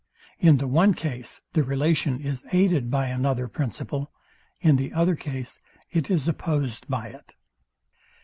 In the one case the relation is aided by another principle: In the other case, it is opposed by it.